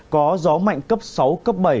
có gió mạnh cấp sáu cấp bảy